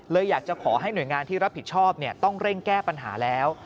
อยากจะขอให้หน่วยงานที่รับผิดชอบต้องเร่งแก้ปัญหาแล้ว